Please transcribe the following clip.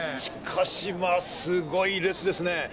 しかしまあすごい列ですね。